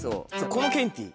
このケンティー。